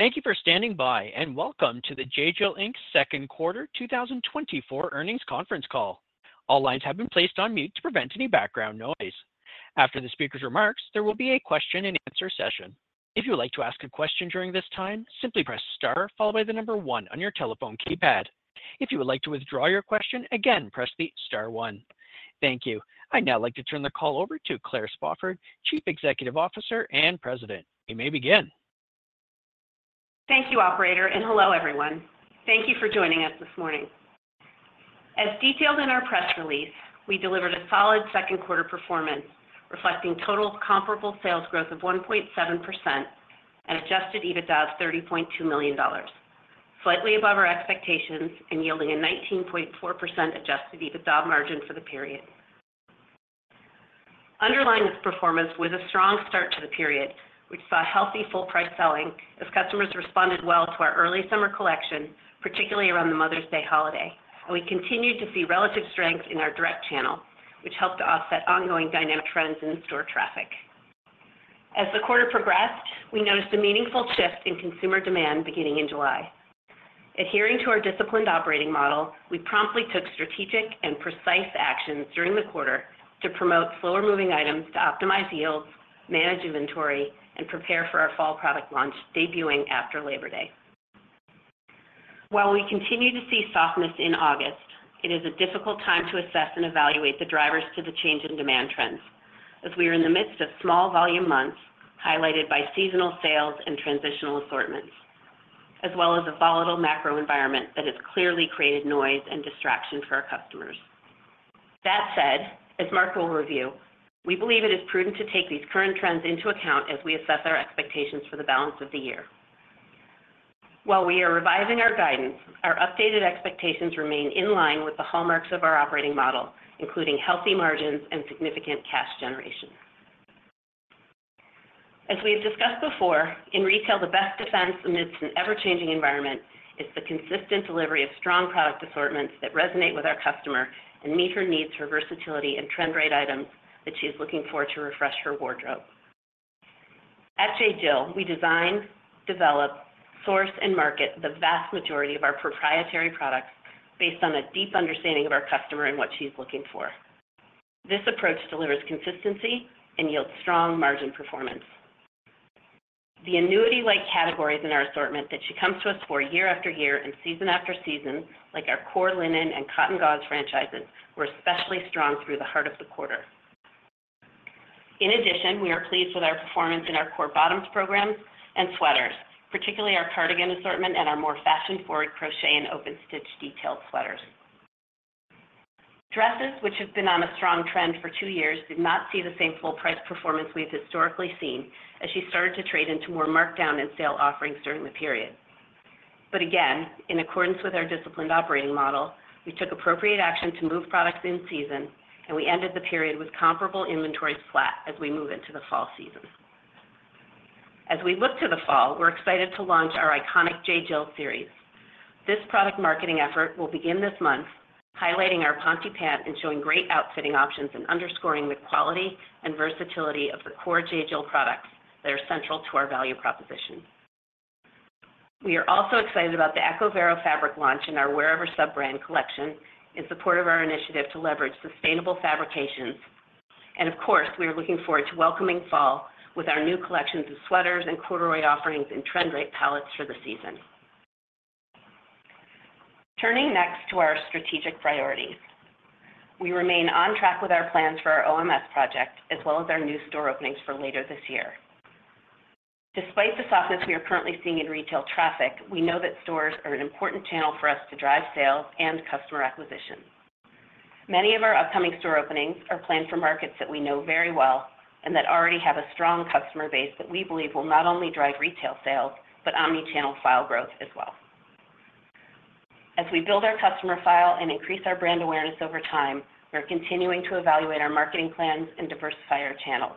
Thank you for standing by, and welcome to the J.Jill, Inc.'s second quarter 2024 earnings conference call. All lines have been placed on mute to prevent any background noise. After the speaker's remarks, there will be a question-and-answer session. If you would like to ask a question during this time, simply press star followed by the number one on your telephone keypad. If you would like to withdraw your question, again, press the star one. Thank you. I'd now like to turn the call over to Claire Spofford, Chief Executive Officer and President. You may begin. Thank you, operator, and hello, everyone. Thank you for joining us this morning. As detailed in our press release, we delivered a solid second quarter performance, reflecting total comparable sales growth of 1.7% and adjusted EBITDA of $30.2 million, slightly above our expectations and yielding a 19.4% adjusted EBITDA margin for the period. Underlying this performance was a strong start to the period, which saw healthy full-price selling as customers responded well to our early summer collection, particularly around the Mother's Day holiday, and we continued to see relative strength in our direct channel, which helped to offset ongoing dynamic trends in store traffic. As the quarter progressed, we noticed a meaningful shift in consumer demand beginning in July. Adhering to our disciplined operating model, we promptly took strategic and precise actions during the quarter to promote slower moving items, to optimize yields, manage inventory, and prepare for our fall product launch, debuting after Labor Day. While we continue to see softness in August, it is a difficult time to assess and evaluate the drivers to the change in demand trends as we are in the midst of small volume months, highlighted by seasonal sales and transitional assortments, as well as a volatile macro environment that has clearly created noise and distraction for our customers. That said, as Mark will review, we believe it is prudent to take these current trends into account as we assess our expectations for the balance of the year. While we are revising our guidance, our updated expectations remain in line with the hallmarks of our operating model, including healthy margins and significant cash generation. As we've discussed before, in retail, the best defense amidst an ever-changing environment is the consistent delivery of strong product assortments that resonate with our customer and meet her needs for versatility and trend right items that she's looking for to refresh her wardrobe. At J.Jill, we design, develop, source, and market the vast majority of our proprietary products based on a deep understanding of our customer and what she's looking for. This approach delivers consistency and yields strong margin performance. The annuity-like categories in our assortment that she comes to us for year after year and season after season, like our core linen and cotton gauze franchises, were especially strong through the heart of the quarter. In addition, we are pleased with our performance in our core bottoms programs and sweaters, particularly our cardigan assortment and our more fashion-forward crochet and open stitch detailed sweaters. Dresses, which have been on a strong trend for two years, did not see the same full-price performance we've historically seen as she started to trade into more markdown and sale offerings during the period. But again, in accordance with our disciplined operating model, we took appropriate action to move products in season, and we ended the period with comparable inventories flat as we move into the fall season. As we look to the fall, we're excited to launch our Iconics J.Jill series. This product marketing effort will begin this month, highlighting our Ponte Pant and showing great outfitting options and underscoring the quality and versatility of the core J.Jill products that are central to our value proposition. We are also excited about the EcoVero fabric launch in our Wearever sub-brand collection in support of our initiative to leverage sustainable fabrications. And of course, we are looking forward to welcoming fall with our new collections of sweaters and corduroy offerings and trend right palettes for the season. Turning next to our strategic priorities. We remain on track with our plans for our OMS project, as well as our new store openings for later this year. Despite the softness we are currently seeing in retail traffic, we know that stores are an important channel for us to drive sales and customer acquisition. Many of our upcoming store openings are planned for markets that we know very well and that already have a strong customer base that we believe will not only drive retail sales, but omni-channel file growth as well. As we build our customer file and increase our brand awareness over time, we are continuing to evaluate our marketing plans and diversify our channels.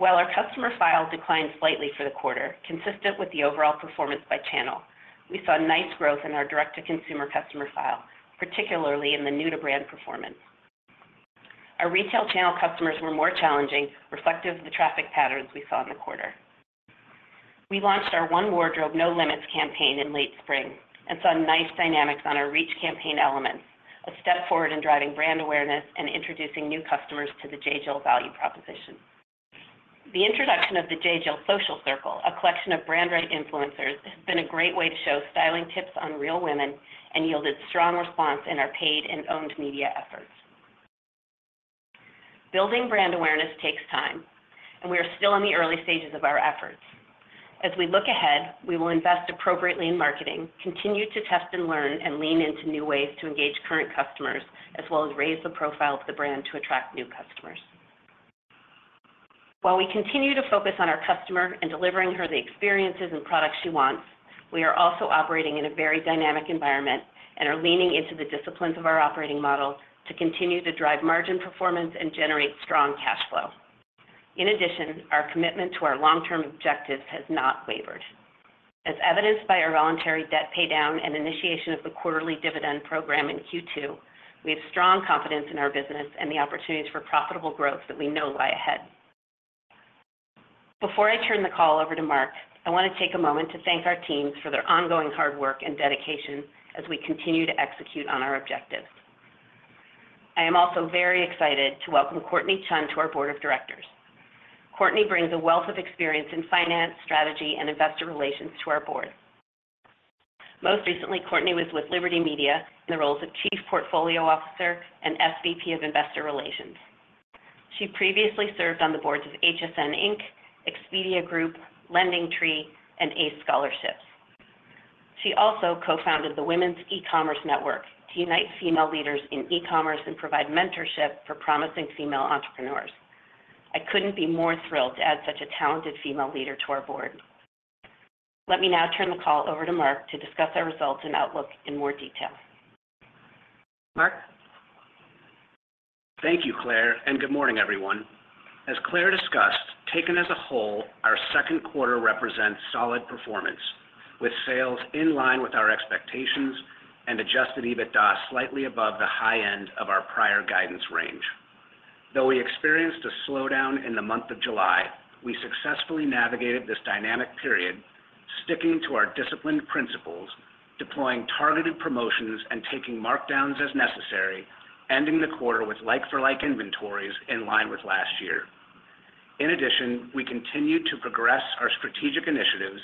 While our customer file declined slightly for the quarter, consistent with the overall performance by channel, we saw nice growth in our direct-to-consumer customer file, particularly in the new-to-brand performance. Our retail channel customers were more challenging, reflective of the traffic patterns we saw in the quarter. We launched our One Wardrobe, No Limits campaign in late spring and saw nice dynamics on our reach campaign elements, a step forward in driving brand awareness and introducing new customers to the J.Jill value proposition. The introduction of the J.Jill Social Circle, a collection of brand right influencers, has been a great way to show styling tips on real women and yielded strong response in our paid and owned media efforts. Building brand awareness takes time, and we are still in the early stages of our efforts. As we look ahead, we will invest appropriately in marketing, continue to test and learn, and lean into new ways to engage current customers, as well as raise the profile of the brand to attract new customers. While we continue to focus on our customer and delivering her the experiences and products she wants, we are also operating in a very dynamic environment and are leaning into the disciplines of our operating model to continue to drive margin performance and generate strong cash flow. In addition, our commitment to our long-term objectives has not wavered. As evidenced by our voluntary debt paydown and initiation of the quarterly dividend program in Q2, we have strong confidence in our business and the opportunities for profitable growth that we know lie ahead. Before I turn the call over to Mark, I wanna take a moment to thank our teams for their ongoing hard work and dedication as we continue to execute on our objectives. I am also very excited to welcome Courtney Chun to our board of directors. Courtney brings a wealth of experience in finance, strategy, and investor relations to our board. Most recently, Courtney was with Liberty Media in the roles of Chief Portfolio Officer and SVP of Investor Relations. She previously served on the boards of HSN, Inc., Expedia Group, LendingTree, and ACE Scholarships. She also co-founded the Women's E-Commerce Network to unite female leaders in e-commerce and provide mentorship for promising female entrepreneurs. I couldn't be more thrilled to add such a talented female leader to our board. Let me now turn the call over to Mark to discuss our results and outlook in more detail. Mark? Thank you, Claire, and good morning, everyone. As Claire discussed, taken as a whole, our second quarter represents solid performance, with sales in line with our expectations and adjusted EBITDA slightly above the high end of our prior guidance range. Though we experienced a slowdown in the month of July, we successfully navigated this dynamic period, sticking to our disciplined principles, deploying targeted promotions, and taking markdowns as necessary, ending the quarter with like-for-like inventories in line with last year. In addition, we continued to progress our strategic initiatives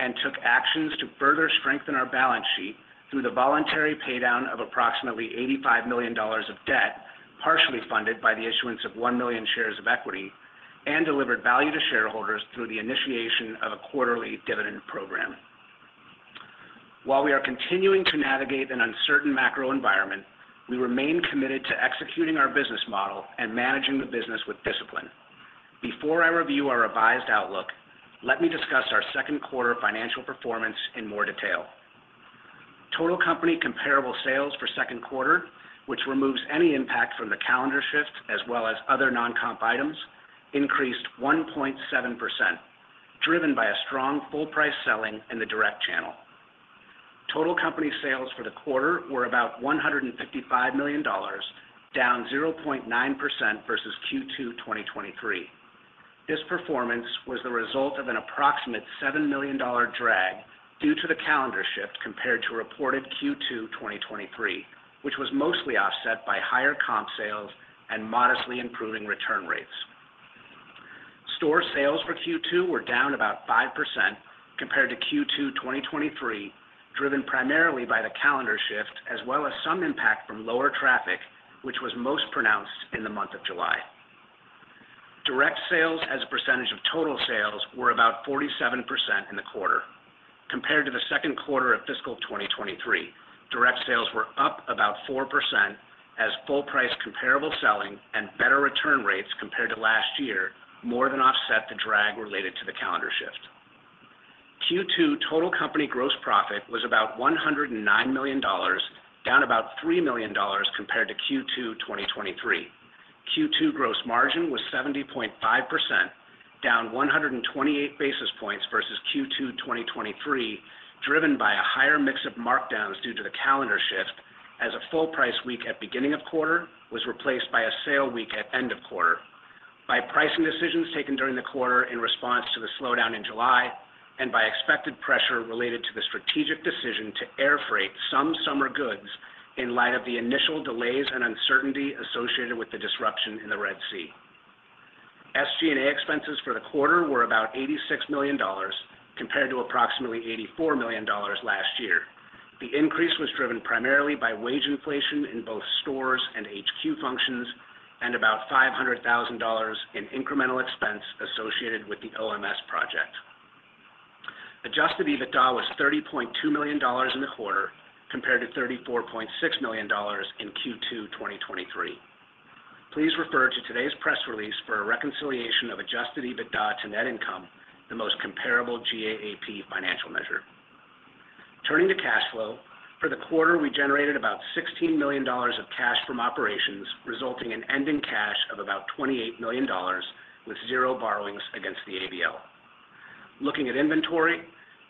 and took actions to further strengthen our balance sheet through the voluntary paydown of approximately $85 million of debt, partially funded by the issuance of 1 million shares of equity, and delivered value to shareholders through the initiation of a quarterly dividend program. While we are continuing to navigate an uncertain macro environment, we remain committed to executing our business model and managing the business with discipline. Before I review our revised outlook, let me discuss our second quarter financial performance in more detail. Total company comparable sales for second quarter, which removes any impact from the calendar shift as well as other non-comp items, increased 1.7%, driven by a strong full-price selling in the direct channel. Total company sales for the quarter were about $155 million, down 0.9% versus Q2 2023. This performance was the result of an approximate $7 million drag due to the calendar shift compared to reported Q2 2023, which was mostly offset by higher comp sales and modestly improving return rates. Store sales for Q2 were down about 5% compared to Q2 2023, driven primarily by the calendar shift, as well as some impact from lower traffic, which was most pronounced in the month of July. Direct sales as a percentage of total sales were about 47% in the quarter. Compared to the second quarter of fiscal 2023, direct sales were up about 4%, as full-price comparable selling and better return rates compared to last year, more than offset the drag related to the calendar shift. Q2 total company gross profit was about $109 million, down about $3 million compared to Q2 2023. Q2 gross margin was 70.5%, down 128 basis points versus Q2 2023, driven by a higher mix of markdowns due to the calendar shift, as a full-price week at beginning of quarter was replaced by a sale week at end of quarter, by pricing decisions taken during the quarter in response to the slowdown in July, and by expected pressure related to the strategic decision to air freight some summer goods in light of the initial delays and uncertainty associated with the disruption in the Red Sea. SG&A expenses for the quarter were about $86 million, compared to approximately $84 million last year. The increase was driven primarily by wage inflation in both stores and HQ functions, and about $500,000 in incremental expense associated with the OMS project. Adjusted EBITDA was $30.2 million in the quarter, compared to $34.6 million in Q2 2023. Please refer to today's press release for a reconciliation of adjusted EBITDA to net income, the most comparable GAAP financial measure. Turning to cash flow. For the quarter, we generated about $16 million of cash from operations, resulting in ending cash of about $28 million, with 0 borrowings against the ABL. Looking at inventory,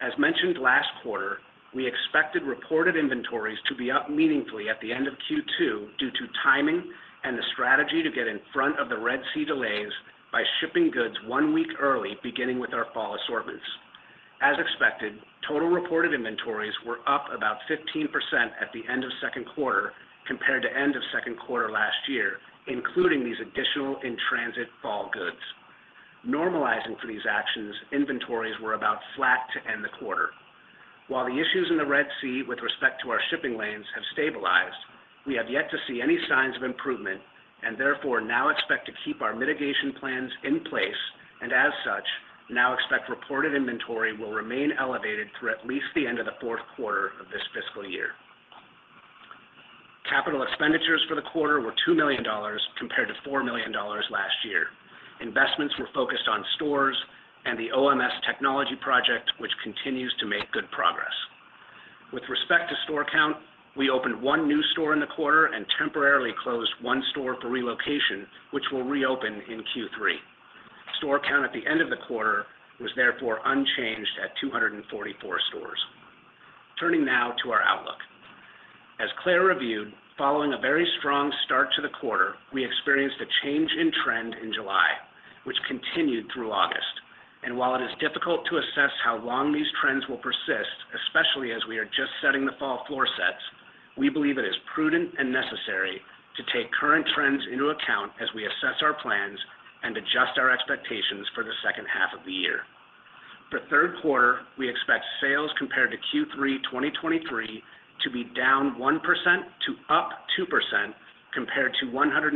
as mentioned last quarter, we expected reported inventories to be up meaningfully at the end of Q2 due to timing and the strategy to get in front of the Red Sea delays by shipping goods one week early, beginning with our fall assortments. As expected, total reported inventories were up about 15% at the end of second quarter, compared to end of second quarter last year, including these additional in-transit fall goods. Normalizing for these actions, inventories were about flat to end the quarter. While the issues in the Red Sea with respect to our shipping lanes have stabilized, we have yet to see any signs of improvement, and therefore, now expect to keep our mitigation plans in place, and as such, now expect reported inventory will remain elevated through at least the end of the fourth quarter of this fiscal year. Capital expenditures for the quarter were $2 million, compared to $4 million last year. Investments were focused on stores and the OMS technology project, which continues to make good progress. With respect to store count, we opened one new store in the quarter and temporarily closed one store for relocation, which will reopen in Q3. Store count at the end of the quarter was therefore unchanged at 244 stores. Turning now to our outlook. As Claire reviewed, following a very strong start to the quarter, we experienced a change in trend in July, which continued through August. And while it is difficult to assess how long these trends will persist, especially as we are just setting the fall floor sets, we believe it is prudent and necessary to take current trends into account as we assess our plans and adjust our expectations for the second half of the year. For third quarter, we expect sales compared to Q3 2023 to be down 1% to up 2%, compared to $150.9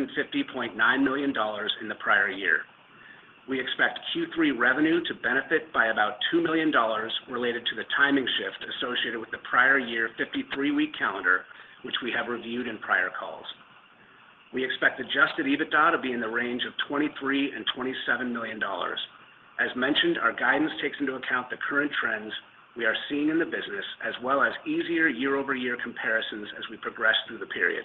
million in the prior year. We expect Q3 revenue to benefit by about $2 million related to the timing shift associated with the prior year 53-week calendar, which we have reviewed in prior calls. We expect Adjusted EBITDA to be in the range of $23 million-$27 million. As mentioned, our guidance takes into account the current trends we are seeing in the business, as well as easier year-over-year comparisons as we progress through the period.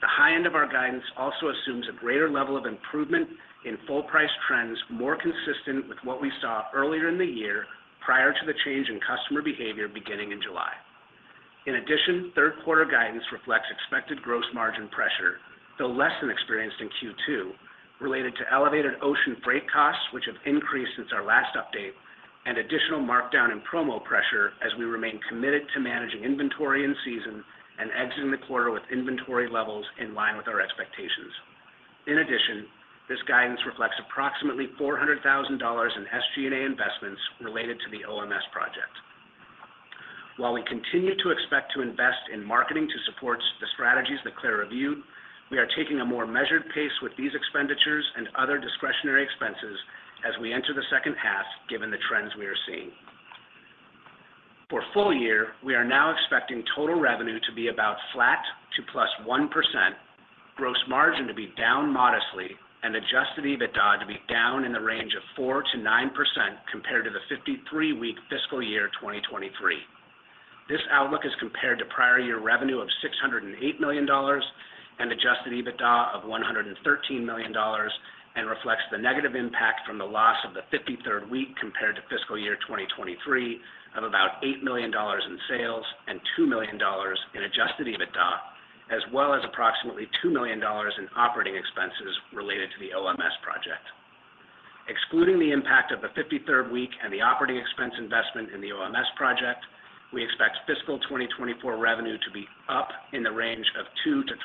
The high end of our guidance also assumes a greater level of improvement in full-price trends, more consistent with what we saw earlier in the year, prior to the change in customer behavior beginning in July. In addition, third quarter guidance reflects expected gross margin pressure, though less than experienced in Q2, related to elevated ocean freight costs, which have increased since our last update, and additional markdown and promo pressure as we remain committed to managing inventory in season and exiting the quarter with inventory levels in line with our expectations. In addition, this guidance reflects approximately $400,000 in SG&A investments related to the OMS project. While we continue to expect to invest in marketing to support the strategies that Claire reviewed, we are taking a more measured pace with these expenditures and other discretionary expenses as we enter the second half, given the trends we are seeing. For full year, we are now expecting total revenue to be about flat to +1%, gross margin to be down modestly and adjusted EBITDA to be down in the range of 4%-9% compared to the 53-week fiscal year 2023. This outlook is compared to prior year revenue of $608 million and adjusted EBITDA of $113 million, and reflects the negative impact from the loss of the fifty-third week compared to fiscal year 2023 of about $8 million in sales and $2 million in adjusted EBITDA, as well as approximately $2 million in operating expenses related to the OMS project. Excluding the impact of the fifty-third week and the operating expense investment in the OMS project, we expect fiscal 2024 revenue to be up in the range of 2%-3%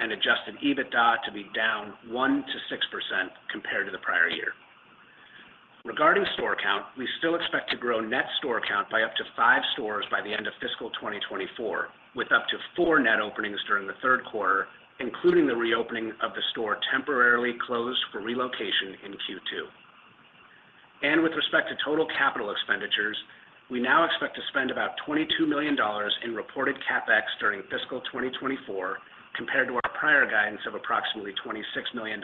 and adjusted EBITDA to be down 1%-6% compared to the prior year. Regarding store count, we still expect to grow net store count by up to five stores by the end of fiscal 2024, with up to four net openings during the third quarter, including the reopening of the store temporarily closed for relocation in Q2, and with respect to total capital expenditures, we now expect to spend about $22 million in reported CapEx during fiscal 2024, compared to our prior guidance of approximately $26 million.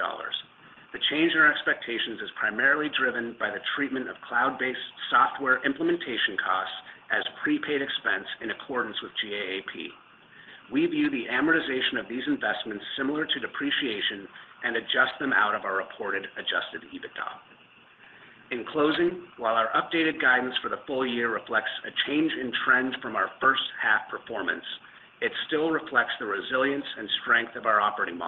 The change in our expectations is primarily driven by the treatment of cloud-based software implementation costs as prepaid expense in accordance with GAAP. We view the amortization of these investments similar to depreciation and adjust them out of our reported Adjusted EBITDA. In closing, while our updated guidance for the full year reflects a change in trend from our first half performance, it still reflects the resilience and strength of our operating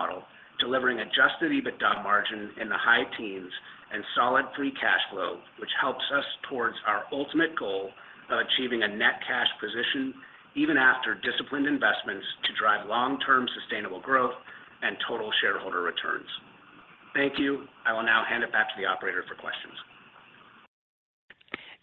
model, delivering Adjusted EBITDA margin in the high teens and solid free cash flow, which helps us towards our ultimate goal of achieving a net cash position even after disciplined investments to drive long-term sustainable growth and total shareholder returns. Thank you. I will now hand it back to the operator for questions.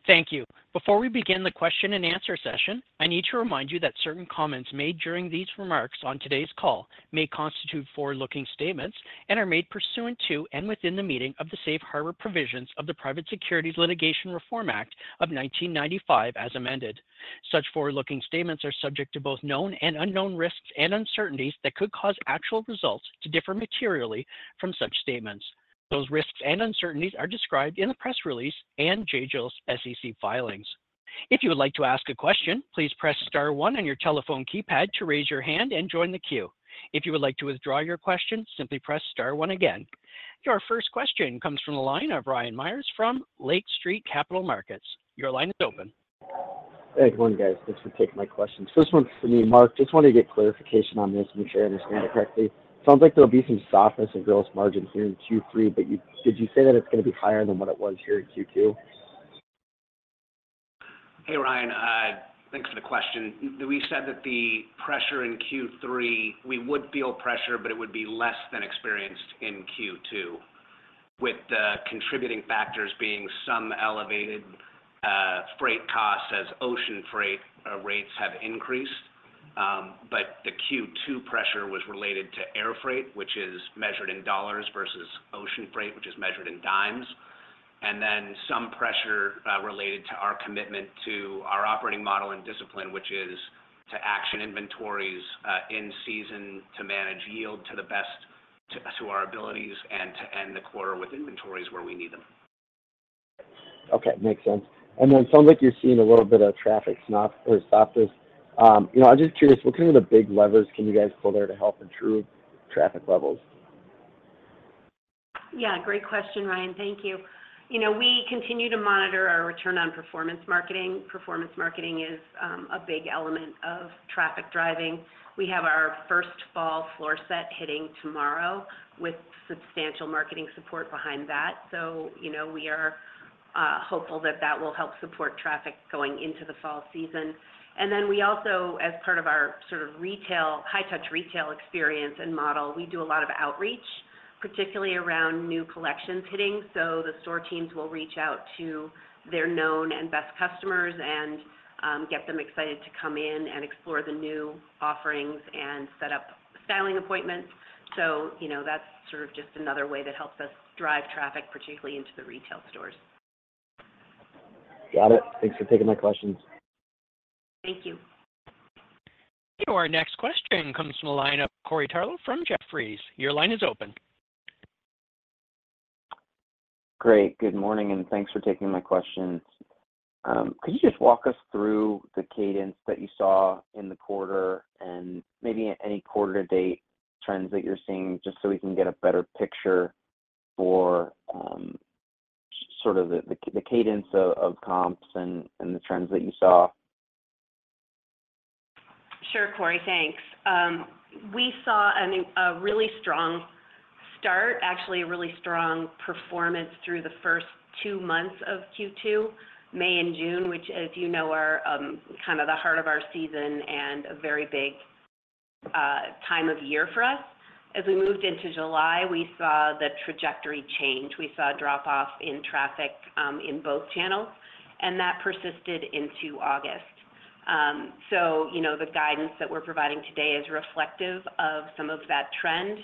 Thank you. Before we begin the question and answer session, I need to remind you that certain comments made during these remarks on today's call may constitute forward-looking statements and are made pursuant to and within the meaning of the Safe Harbor provisions of the Private Securities Litigation Reform Act of 1995, as amended. Such forward-looking statements are subject to both known and unknown risks and uncertainties that could cause actual results to differ materially from such statements. Those risks and uncertainties are described in the press release and J.Jill's SEC filings. If you would like to ask a question, please press star one on your telephone keypad to raise your hand and join the queue. If you would like to withdraw your question, simply press star one again. Your first question comes from the line of Ryan Meyers from Lake Street Capital Markets. Your line is open. Hey, good morning, guys. Thanks for taking my question. So this one's for me, Mark. Just wanted to get clarification on this, make sure I understand it correctly. Sounds like there'll be some softness in gross margins here in Q3, but you, did you say that it's gonna be higher than what it was here in Q2? Hey, Ryan, thanks for the question. We said that the pressure in Q3, we would feel pressure, but it would be less than experienced in Q2, with the contributing factors being some elevated freight costs as ocean freight rates have increased. But the Q2 pressure was related to air freight, which is measured in dollars, versus ocean freight, which is measured in dimes, and then some pressure related to our commitment to our operating model and discipline, and inventories in season to manage yield to the best of our abilities and to end the quarter with inventories where we need them. Okay, makes sense. And then it sounds like you're seeing a little bit of traffic softness. You know, I'm just curious, what kind of the big levers can you guys pull there to help improve traffic levels? Yeah, great question, Ryan. Thank you. You know, we continue to monitor our return on performance marketing. Performance marketing is a big element of traffic driving. We have our first fall floor set hitting tomorrow with substantial marketing support behind that. So, you know, we are hopeful that that will help support traffic going into the fall season. And then we also, as part of our sort of retail, high touch retail experience and model, we do a lot of outreach, particularly around new collections hitting. So the store teams will reach out to their known and best customers and get them excited to come in and explore the new offerings and set up styling appointments. So, you know, that's sort of just another way that helps us drive traffic, particularly into the retail stores. Got it. Thanks for taking my questions. Thank you. Our next question comes from the line of Corey Tarlowe from Jefferies. Your line is open. Great, good morning, and thanks for taking my questions. Could you just walk us through the cadence that you saw in the quarter and maybe any quarter to date trends that you're seeing, just so we can get a better picture for, sort of the cadence of comps and the trends that you saw? Sure, Corey. Thanks. We saw a really strong start, actually a really strong performance through the first two months of Q2, May and June, which, as you know, are kind of the heart of our season and a very big time of year for us. As we moved into July, we saw the trajectory change. We saw a drop-off in traffic in both channels, and that persisted into August. So, you know, the guidance that we're providing today is reflective of some of that trend.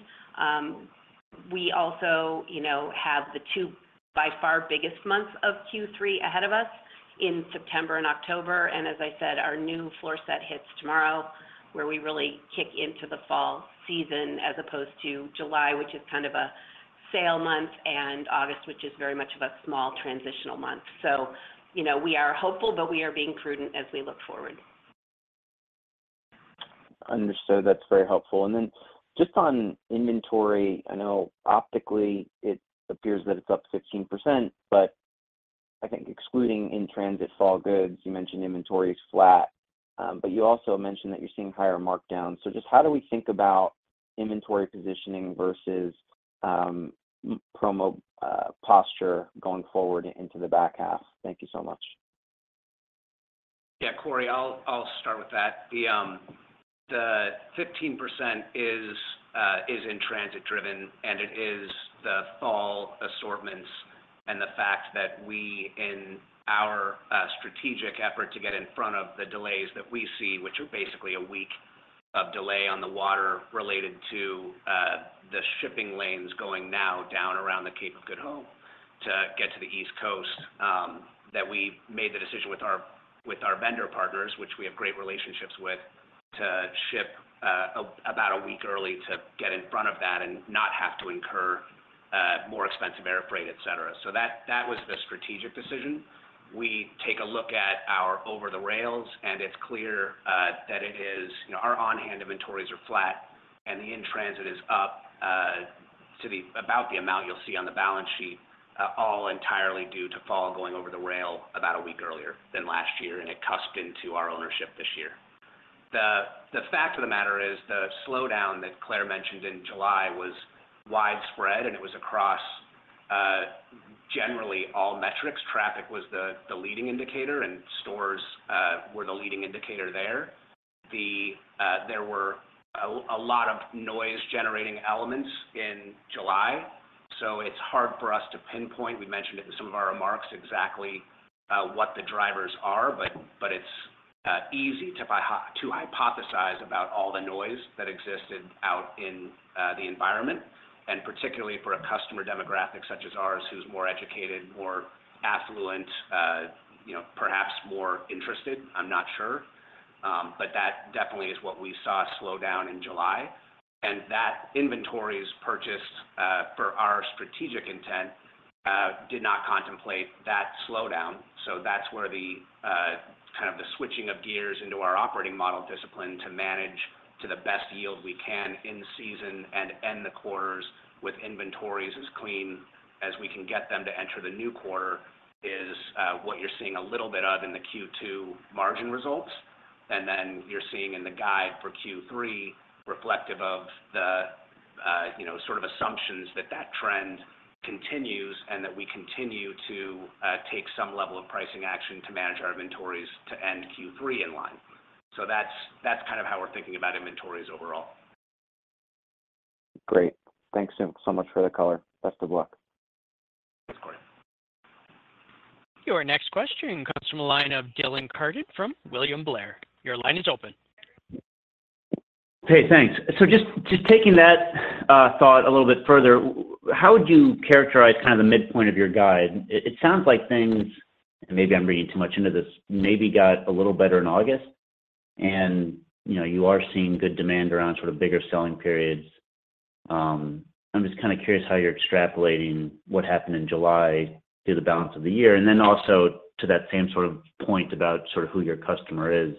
We also, you know, have the two by far biggest months of Q3 ahead of us in September and October, and as I said, our new floor set hits tomorrow, where we really kick into the fall season, as opposed to July, which is kind of a sale month, and August, which is very much of a small transitional month, so you know, we are hopeful, but we are being prudent as we look forward. Understood. That's very helpful. And then just on inventory, I know optically it appears that it's up 16%, but I think excluding in-transit fall goods, you mentioned inventory is flat, but you also mentioned that you're seeing higher markdowns. So just how do we think about inventory positioning versus, promo, posture going forward into the back half? Thank you so much. Yeah, Corey, I'll start with that. The 15% is in transit driven, and it is the fall assortments and the fact that we in our strategic effort to get in front of the delays that we see, which are basically a week of delay on the water related to the shipping lanes going now down around the Cape of Good Hope to get to the East Coast, that we made the decision with our vendor partners, which we have great relationships with, to ship about a week early to get in front of that and not have to incur more expensive airfreight, et cetera. So that was the strategic decision. We take a look at our over the rails, and it's clear that it is. You know, our on-hand inventories are flat, and the in-transit is up to about the amount you'll see on the balance sheet, all entirely due to fall going over the rail about a week earlier than last year, and it cusped into our ownership this year. The fact of the matter is, the slowdown that Claire mentioned in July was widespread, and it was across generally all metrics. Traffic was the leading indicator, and stores were the leading indicator there. There were a lot of noise-generating elements in July, so it's hard for us to pinpoint. We mentioned it in some of our remarks, exactly, what the drivers are, but, but it's easy to hypothesize about all the noise that existed out in the environment, and particularly for a customer demographic such as ours, who's more educated, more affluent, you know, perhaps more interested, I'm not sure. But that definitely is what we saw slow down in July, and that inventory is purchased for our strategic intent, did not contemplate that slowdown. So that's where the kind of the switching of gears into our operating model discipline to manage to the best yield we can in season and end the quarters with inventories as clean as we can get them to enter the new quarter is what you're seeing a little bit of in the Q2 margin results. And then you're seeing in the guide for Q3, reflective of the, you know, sort of assumptions that the trend continues and that we continue to take some level of pricing action to manage our inventories to end Q3 in line. So that's kind of how we're thinking about inventories overall. Great. Thanks so much for the color. Best of luck. Thanks, Corey. Your next question comes from a line of Dylan Carden from William Blair. Your line is open. Hey, thanks. So just taking that thought a little bit further, how would you characterize kind of the midpoint of your guide? It sounds like things, and maybe I'm reading too much into this, maybe got a little better in August, and you know, you are seeing good demand around sort of bigger selling periods. I'm just kinda curious how you're extrapolating what happened in July through the balance of the year. And then also, to that same sort of point about sort of who your customer is,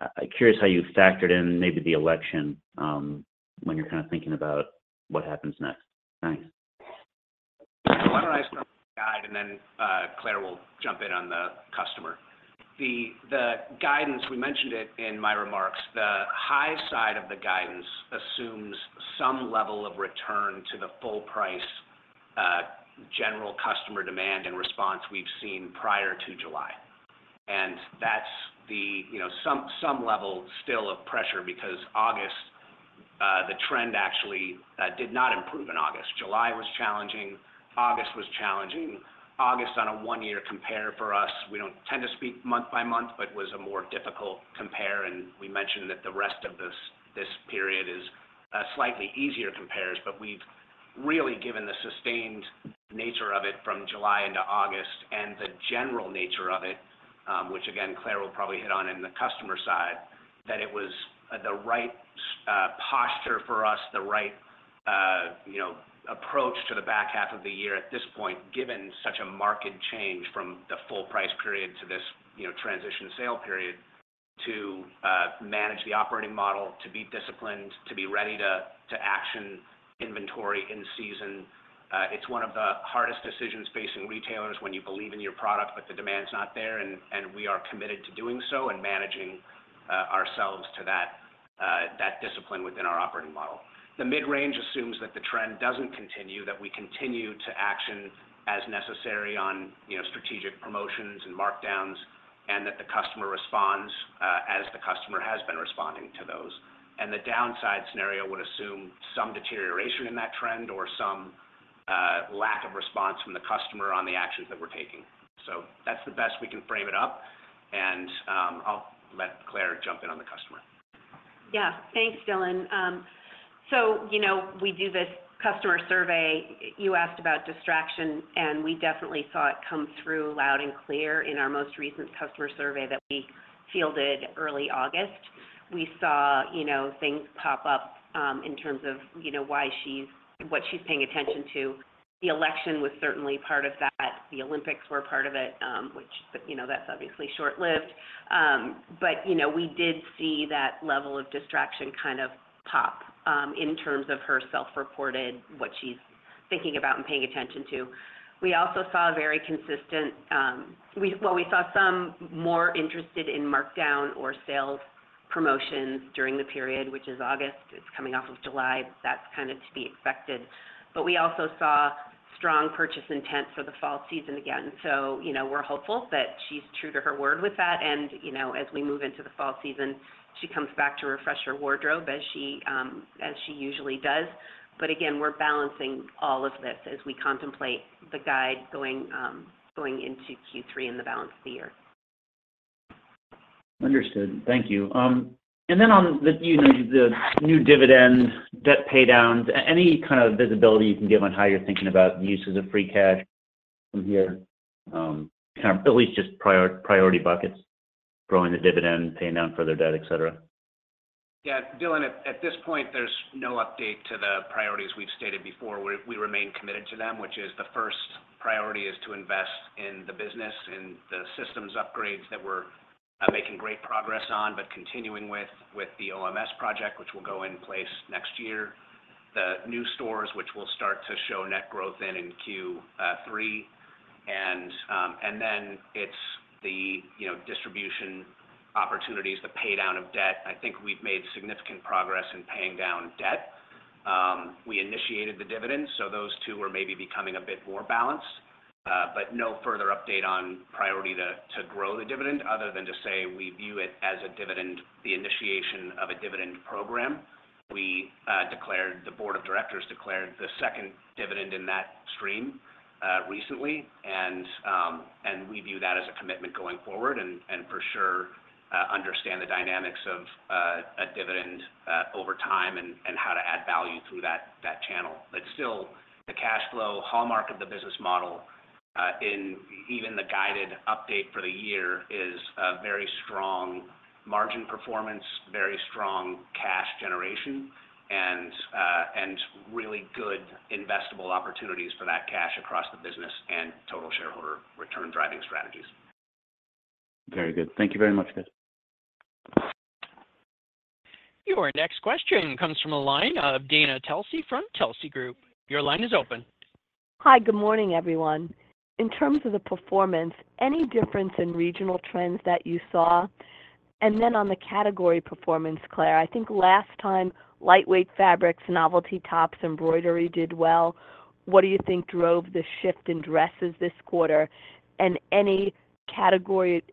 I'm curious how you factored in maybe the election, when you're kinda thinking about what happens next. Thanks. I'll start with the guidance, and then Claire will jump in on the customer. The guidance, we mentioned it in my remarks, the high side of the guidance assumes some level of return to the full-price general customer demand and response we've seen prior to July. And that's the, you know, some level still of pressure, because August, the trend actually did not improve in August. July was challenging. August was challenging. August, on a one-year compare for us, we don't tend to speak month by month, but was a more difficult compare, and we mentioned that the rest of this period is slightly easier compares. But we've really given the sustained nature of it from July into August and the general nature of it, which again, Claire will probably hit on in the customer side, that it was the right posture for us, the right, you know, approach to the back half of the year at this point, given such a market change from the full-price period to this, you know, transition sale period, to manage the operating model, to be disciplined, to be ready to action inventory in season. It's one of the hardest decisions facing retailers when you believe in your product, but the demand's not there, and we are committed to doing so and managing ourselves to that discipline within our operating model. The mid-range assumes that the trend doesn't continue, that we continue to action as necessary on, you know, strategic promotions and markdowns, and that the customer responds as the customer has been responding to those. And the downside scenario would assume some deterioration in that trend or some lack of response from the customer on the actions that we're taking. So that's the best we can frame it up, and I'll let Claire jump in on the customer. Yeah. Thanks, Dylan. So, you know, we do this customer survey. You asked about distraction, and we definitely saw it come through loud and clear in our most recent customer survey that we fielded early August. We saw, you know, things pop up in terms of, you know, why she's, what she's paying attention to. The election was certainly part of that. The Olympics were part of it, which, but, you know, that's obviously short-lived. But, you know, we did see that level of distraction kind of pop in terms of her self-reported, what she's thinking about and paying attention to. We also saw a very consistent. Well, we saw some more interested in markdown or sales promotions during the period, which is August. It's coming off of July. That's kind of to be expected. But we also saw strong purchase intent for the fall season again. So, you know, we're hopeful that she's true to her word with that, and, you know, as we move into the fall season, she comes back to refresh her wardrobe, as she usually does. But again, we're balancing all of this as we contemplate the guide going into Q3 and the balance of the year. Understood. Thank you. And then on the, you know, the new dividend, debt pay downs, any kind of visibility you can give on how you're thinking about uses of free cash from here? Kind of at least just priority buckets, growing the dividend, paying down further debt, et cetera. Yeah, Dylan, at this point, there's no update to the priorities we've stated before. We remain committed to them, which is the first priority is to invest in the business, in the systems upgrades that we're making great progress on, but continuing with the OMS project, which will go in place next year. The new stores, which will start to show net growth in Q three, and then it's the, you know, distribution opportunities, the pay down of debt. I think we've made significant progress in paying down debt. We initiated the dividend, so those two are maybe becoming a bit more balanced, but no further update on priority to grow the dividend other than to say we view it as a dividend, the initiation of a dividend program. We declared the second dividend in that stream recently, and we view that as a commitment going forward, and for sure understand the dynamics of a dividend over time and how to add value through that channel. But still, the cash flow hallmark of the business model, in even the guidance update for the year, is a very strong margin performance, very strong cash generation, and really good investable opportunities for that cash across the business and total shareholder return driving strategies. Very good. Thank you very much, guys. Your next question comes from the line of Dana Telsey from Telsey Advisory Group. Your line is open. Hi, good morning, everyone. In terms of the performance, any difference in regional trends that you saw? And then on the category performance, Claire, I think last time, lightweight fabrics, novelty tops, embroidery did well. What do you think drove the shift in dresses this quarter? And any category,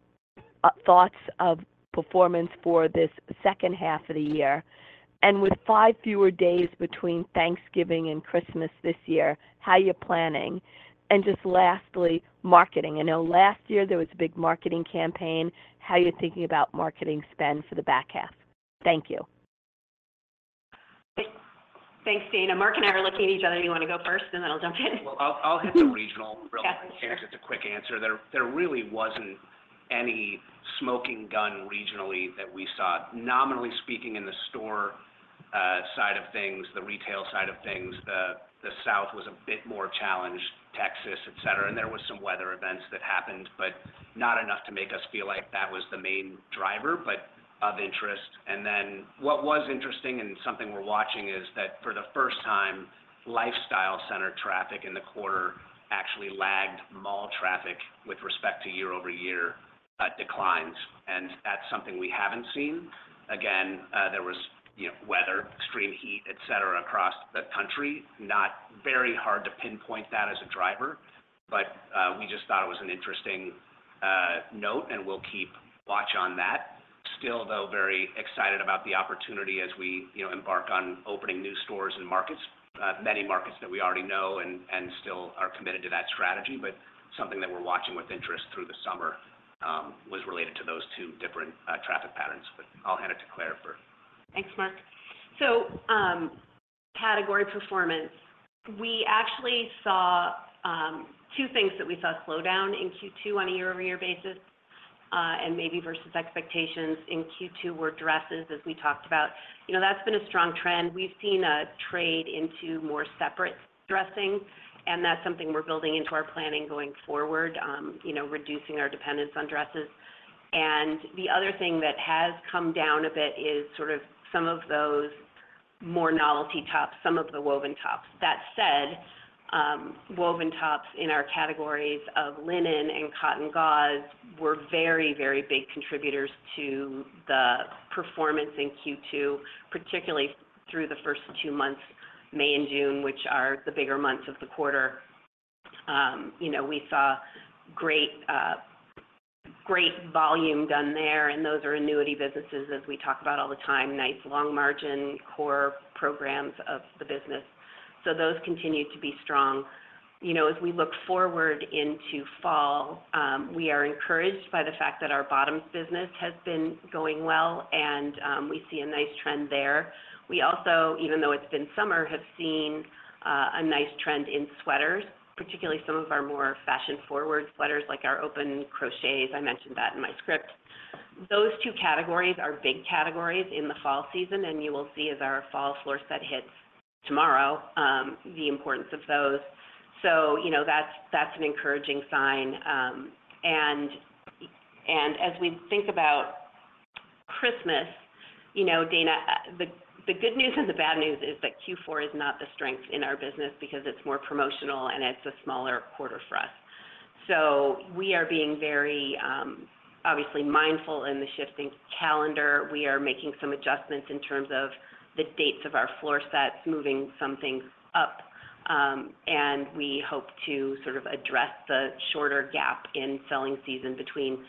thoughts of performance for this second half of the year? And with five fewer days between Thanksgiving and Christmas this year, how are you planning? And just lastly, marketing. I know last year there was a big marketing campaign. How are you thinking about marketing spend for the back half? Thank you. Thanks, Dana. Mark and I are looking at each other. You want to go first, and then I'll jump in? I'll hit the regional real- Yeah, sure. It's a quick answer. There really wasn't any smoking gun regionally that we saw. Nominally speaking, in the store side of things, the retail side of things, the South was a bit more challenged, Texas, et cetera. And there was some weather events that happened, but not enough to make us feel like that was the main driver, but of interest. And then what was interesting and something we're watching is that for the first time, lifestyle-centered traffic in the quarter actually lagged mall traffic with respect to year-over-year declines. And that's something we haven't seen. Again, there was, you know, weather, extreme heat, et cetera, across the country. Not very hard to pinpoint that as a driver, but we just thought it was an interesting note, and we'll keep watch on that. Still, though, very excited about the opportunity as we, you know, embark on opening new stores and markets, many markets that we already know and still are committed to that strategy. But something that we're watching with interest through the summer was related to those two different traffic patterns. But I'll hand it to Claire for- Thanks, Mark. So, category performance. We actually saw two things that we saw slow down in Q2 on a year-over-year basis, and maybe versus expectations in Q2, were dresses, as we talked about. You know, that's been a strong trend. We've seen a trade into more separate dressing, and that's something we're building into our planning going forward, you know, reducing our dependence on dresses. And the other thing that has come down a bit is sort of some of those more novelty tops, some of the woven tops. That said, woven tops in our categories of linen and cotton gauze were very, very big contributors to the performance in Q2, particularly through the first two months, May and June, which are the bigger months of the quarter. You know, we saw great volume done there, and those are annuity businesses, as we talk about all the time, nice long margin, core programs of the business. So those continue to be strong. You know, as we look forward into fall, we are encouraged by the fact that our bottoms business has been going well, and we see a nice trend there. We also, even though it's been summer, have seen a nice trend in sweaters, particularly some of our more fashion-forward sweaters, like our open crochets. I mentioned that in my script. Those two categories are big categories in the fall season, and you will see as our fall floor set hits tomorrow the importance of those. So, you know, that's an encouraging sign. And as we think about Christmas, you know, Dana, the good news and the bad news is that Q4 is not the strength in our business because it's more promotional and it's a smaller quarter for us. So we are being very obviously mindful in the shifting calendar. We are making some adjustments in terms of the dates of our floor sets, moving some things up, and we hope to sort of address the shorter gap in selling season between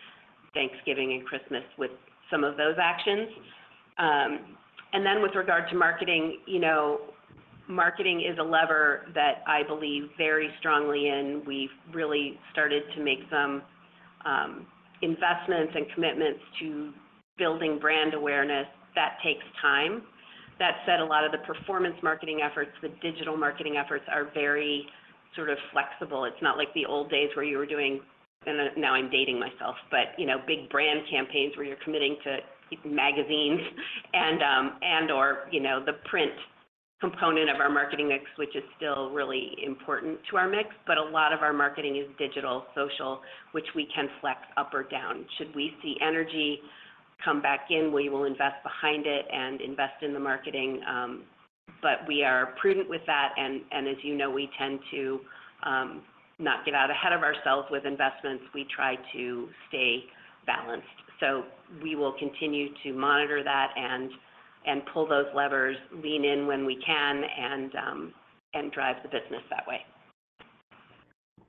Thanksgiving and Christmas with some of those actions. And then with regard to marketing, you know, marketing is a lever that I believe very strongly in. We've really started to make some investments and commitments to building brand awareness. That takes time. That said, a lot of the performance marketing efforts, the digital marketing efforts, are very sort of flexible. It's not like the old days where you were doing, now I'm dating myself, but you know, big brand campaigns where you're committing to magazines and/or you know, the print component of our marketing mix, which is still really important to our mix, but a lot of our marketing is digital, social, which we can flex up or down. Should we see energy come back in, we will invest behind it and invest in the marketing, but we are prudent with that, and as you know, we tend to not get out ahead of ourselves with investments. We try to stay balanced, so we will continue to monitor that and pull those levers, lean in when we can, and drive the business that way.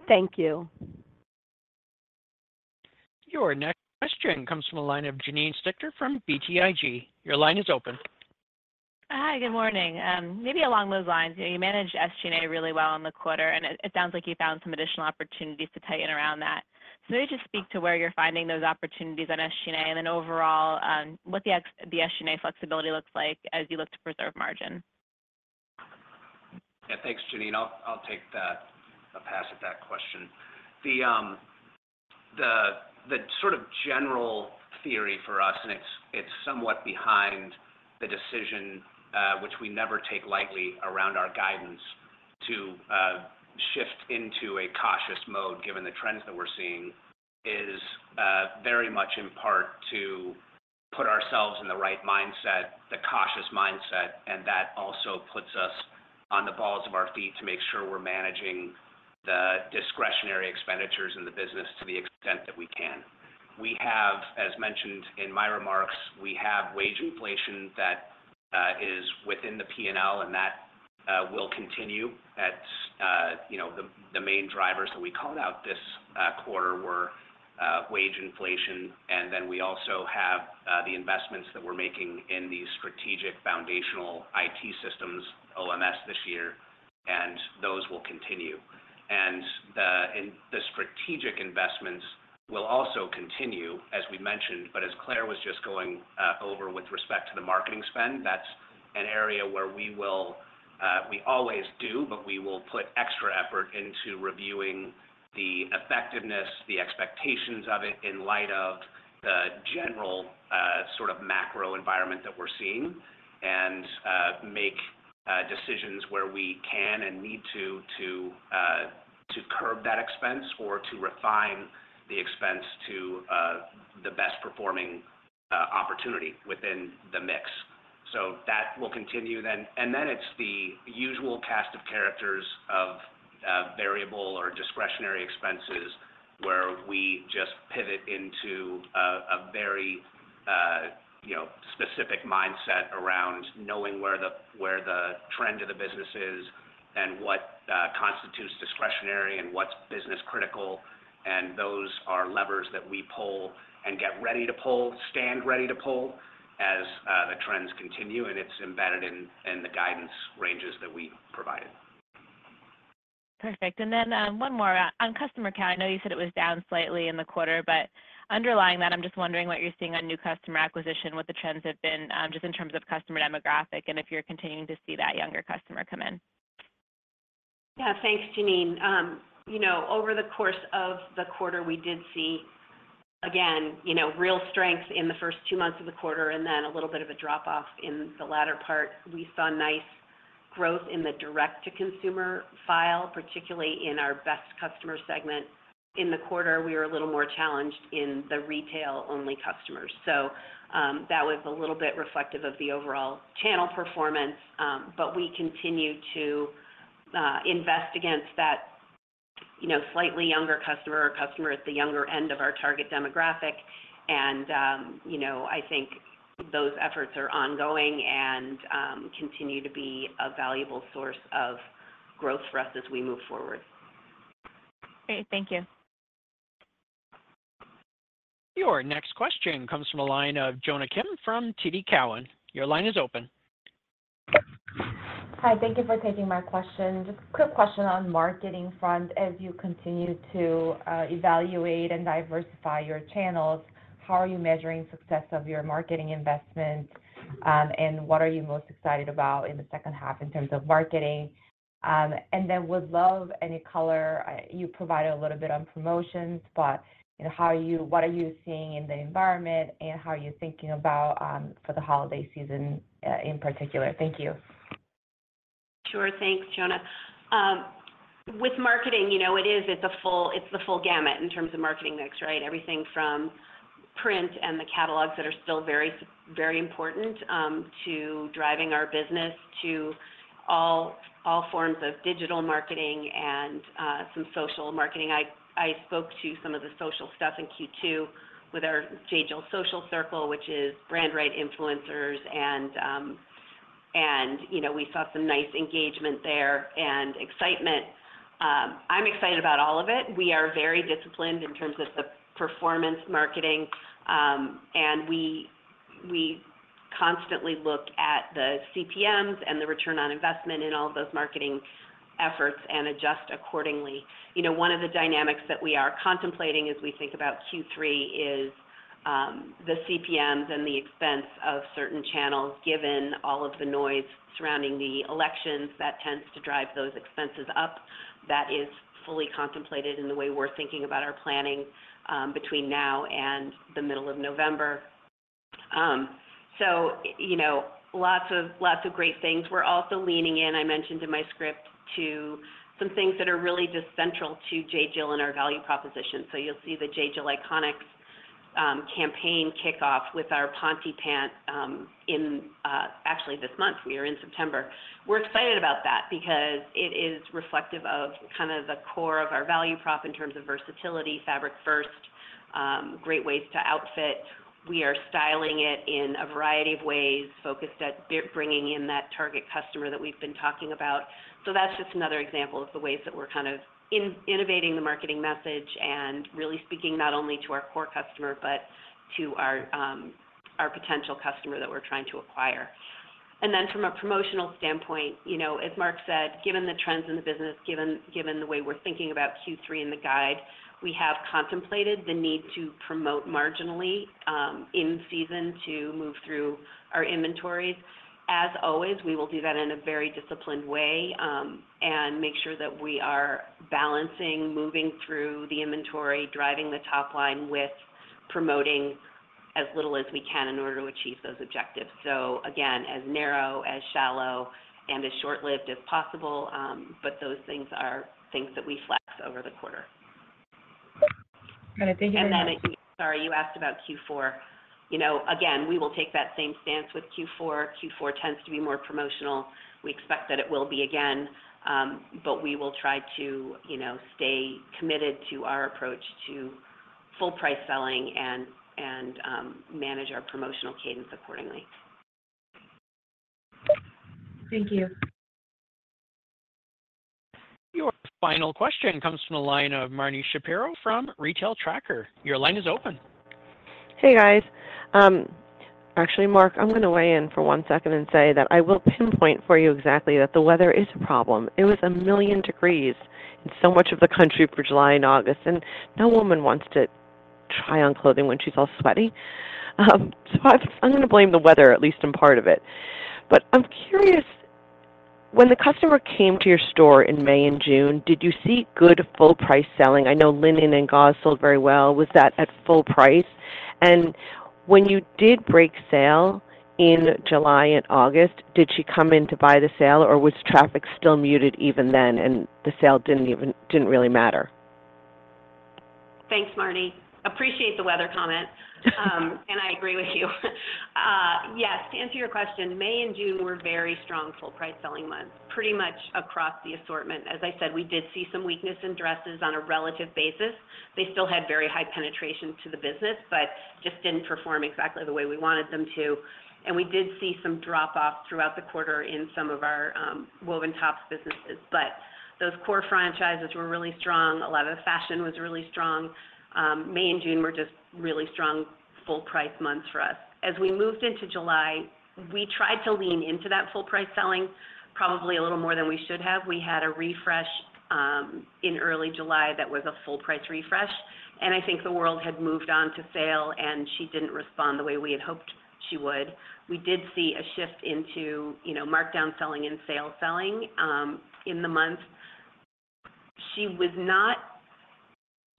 Thank you. Your next question comes from the line of Janine Stichter from BTIG. Your line is open. Hi, good morning. Maybe along those lines, you know, you managed SG&A really well in the quarter, and it sounds like you found some additional opportunities to tighten around that. So maybe just speak to where you're finding those opportunities on SG&A, and then overall, what the SG&A flexibility looks like as you look to preserve margin. Yeah, thanks, Janine. I'll take a pass at that question. The sort of general theory for us, and it's somewhat behind the decision, which we never take lightly around our guidance to shift into a cautious mode, given the trends that we're seeing, is very much in part to put ourselves in the right mindset, the cautious mindset, and that also puts us on the balls of our feet to make sure we're managing the discretionary expenditures in the business to the extent that we can. We have, as mentioned in my remarks, we have wage inflation that is within the P&L, and that will continue. That's, you know, the main drivers that we called out this quarter were wage inflation, and then we also have the investments that we're making in these strategic foundational IT systems, OMS, this year, and those will continue strategic investments will also continue, as we mentioned, but as Claire was just going over with respect to the marketing spend, that's an area where we will, we always do, but we will put extra effort into reviewing the effectiveness, the expectations of it, in light of the general, sort of macro environment that we're seeing. And make decisions where we can and need to, to curb that expense or to refine the expense to the best performing opportunity within the mix. So that will continue then. And then it's the usual cast of characters of variable or discretionary expenses, where we just pivot into a very, you know, specific mindset around knowing where the trend of the business is and what constitutes discretionary and what's business critical. Those are levers that we pull and get ready to pull, stand ready to pull, as the trends continue, and it's embedded in the guidance ranges that we provided. Perfect. And then, one more. On customer count, I know you said it was down slightly in the quarter, but underlying that, I'm just wondering what you're seeing on new customer acquisition, what the trends have been, just in terms of customer demographic, and if you're continuing to see that younger customer come in? Yeah. Thanks, Janine. You know, over the course of the quarter, we did see, again, you know, real strength in the first two months of the quarter and then a little bit of a drop-off in the latter part. We saw nice growth in the direct-to-consumer file, particularly in our best customer segment. In the quarter, we were a little more challenged in the retail-only customers, so, that was a little bit reflective of the overall channel performance. But we continue to invest against that, you know, slightly younger customer or customer at the younger end of our target demographic. And, you know, I think those efforts are ongoing and continue to be a valuable source of growth for us as we move forward. Great. Thank you. Your next question comes from the line of Jonna Kim from TD Cowen. Your line is open. Hi, thank you for taking my question. Just a quick question on marketing front. As you continue to evaluate and diversify your channels, how are you measuring success of your marketing investments? And what are you most excited about in the second half in terms of marketing? And then would love any color, you provided a little bit on promotions, but, you know, what are you seeing in the environment, and how are you thinking about for the holiday season, in particular? Thank you. Sure. Thanks, Jonah. With marketing, you know, it is, it's the full gamut in terms of marketing mix, right? Everything from print and the catalogs that are still very important to driving our business, to all forms of digital marketing and some social marketing. I spoke to some of the social stuff in Q2 with our J.Jill Social Circle, which is brand right influencers, and, you know, we saw some nice engagement there and excitement. I'm excited about all of it. We are very disciplined in terms of the performance marketing, and we constantly look at the CPMs and the return on investment in all of those marketing efforts and adjust accordingly. You know, one of the dynamics that we are contemplating as we think about Q3 is, the CPMs and the expense of certain channels, given all of the noise surrounding the elections, that tends to drive those expenses up. That is fully contemplated in the way we're thinking about our planning, between now and the middle of November. So, you know, lots of great things. We're also leaning in, I mentioned in my script, to some things that are really just central to J.Jill and our value proposition. So you'll see the J.Jill Iconics campaign kick off with our Ponte Pant, in, actually this month, we are in September. We're excited about that because it is reflective of kind of the core of our value prop in terms of versatility, fabric first, great ways to outfit. We are styling it in a variety of ways, focused at bringing in that target customer that we've been talking about. So that's just another example of the ways that we're kind of innovating the marketing message and really speaking not only to our core customer, but to our potential customer that we're trying to acquire. And then from a promotional standpoint, you know, as Mark said, given the trends in the business, given the way we're thinking about Q3 and the guide, we have contemplated the need to promote marginally in season to move through our inventories. As always, we will do that in a very disciplined way and make sure that we are balancing moving through the inventory, driving the top line with promoting as little as we can in order to achieve those objectives. So again, as narrow, as shallow, and as short-lived as possible, but those things are things that we flex over the quarter. Great. Thank you very much. And then, sorry, you asked about Q4. You know, again, we will take that same stance with Q4. Q4 tends to be more promotional. We expect that it will be again, but we will try to, you know, stay committed to our approach to full-price selling and manage our promotional cadence accordingly. Thank you. Your final question comes from the line of Marni Shapiro from The Retail Tracker. Your line is open. Hey, guys. Actually, Mark, I'm going to weigh in for one second and say that I will pinpoint for you exactly that the weather is a problem. It was a million degrees in so much of the country for July and August, and no woman wants to try on clothing when she's all sweaty. So I've, I'm gonna blame the weather, at least in part of it. But I'm curious, when the customer came to your store in May and June, did you see good full-price selling? I know linen and gauze sold very well. Was that at full-price? And when you did break sale in July and August, did she come in to buy the sale, or was traffic still muted even then, and the sale didn't really matter? Thanks, Marni. Appreciate the weather comment, and I agree with you. Yes, to answer your question, May and June were very strong full-price selling months, pretty much across the assortment. As I said, we did see some weakness in dresses on a relative basis. They still had very high penetration to the business, but just didn't perform exactly the way we wanted them to, and we did see some drop off throughout the quarter in some of our woven tops businesses. But those core franchises were really strong. A lot of the fashion was really strong. May and June were just really strong full-price months for us. As we moved into July, we tried to lean into that full-price selling probably a little more than we should have. We had a refresh in early July that was a full-price refresh, and I think the world had moved on to sale, and she didn't respond the way we had hoped she would. We did see a shift into, you know, markdown selling and sale selling in the months. She was not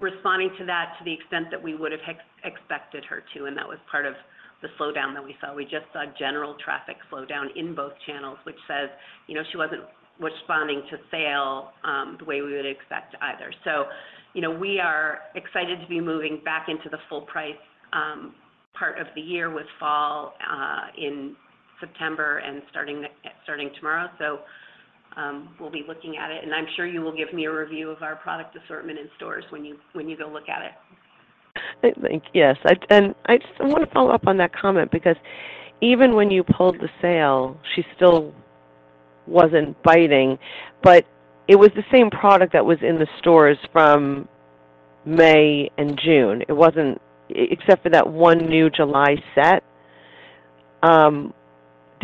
responding to that to the extent that we would have expected her to, and that was part of the slowdown that we saw. We just saw general traffic slowdown in both channels, which says, you know, she wasn't responding to sale the way we would expect either, so you know, we are excited to be moving back into the full-price part of the year with fall in September and starting tomorrow. We'll be looking at it, and I'm sure you will give me a review of our product assortment in stores when you go look at it. Yes, and I just want to follow up on that comment because even when you pulled the sale, she still wasn't biting, but it was the same product that was in the stores from May and June. It wasn't, except for that one new July set.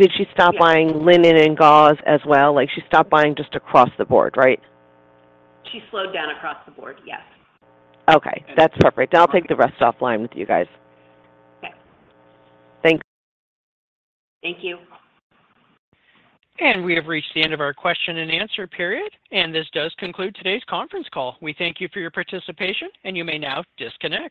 Did she stop buying linen and gauze as well? Like, she stopped buying just across the board, right? She slowed down across the board, yes. Okay, that's perfect. I'll take the rest offline with you guys. Okay. Thanks. Thank you. And we have reached the end of our question and answer period, and this does conclude today's conference call. We thank you for your participation, and you may now disconnect.